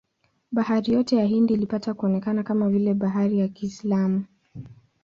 Bahari yote ya Hindi ilipata kuonekana kama vile bahari ya Kiislamu.